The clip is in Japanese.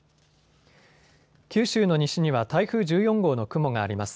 九州の西には台風１４号の雲があります。